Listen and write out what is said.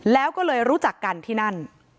แล้วก็เลยรู้จักกันที่นั่น